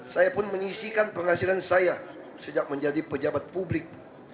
saya pun menyisikan penghasilan saya sejak menjadi pejabat publik